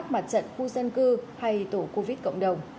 mặt trận khu dân cư hay tổ covid cộng đồng